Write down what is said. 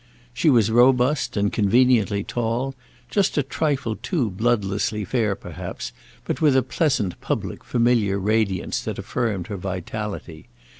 She was robust and conveniently tall; just a trifle too bloodlessly fair perhaps, but with a pleasant public familiar radiance that affirmed her vitality.